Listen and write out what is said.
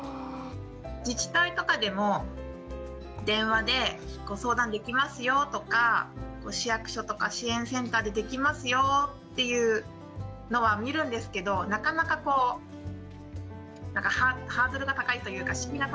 自治体とかでも「電話でご相談できますよ」とか「市役所とか支援センターでできますよ」っていうのは見るんですけどなかなかこうハードルが高いというか敷居が高くて。